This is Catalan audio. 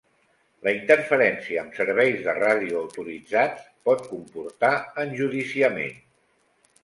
La interferència amb serveis de ràdio autoritzats pot comportar enjudiciament.